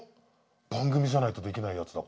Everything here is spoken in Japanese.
番組じゃないとできないやつだ